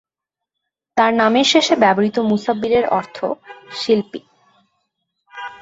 তাঁর নামের শেষে ব্যবহূত ‘মুসাববীর’ -এর অর্থ শিল্পী।